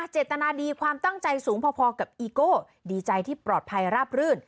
เจตนาดีความตั้งใจสูงพอกับอีโก้ดีใจที่ปลอดภัยราบรื่น